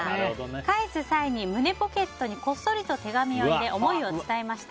返す際に胸ポケットにこっそりと手紙を入れ思いを伝えました。